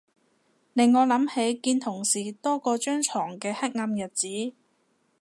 令我諗起見同事多過張牀嘅黑暗日子